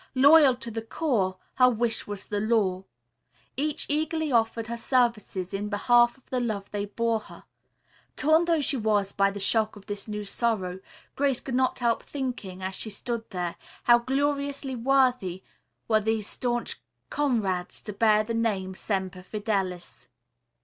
Loyal to the core, her wish was their law. Each eagerly offered her services in behalf of the love they bore her. Torn though she was by the shock of this new sorrow, Grace could not help thinking as she stood there, how gloriously worthy were these staunch comrades to bear the name Semper Fidelis.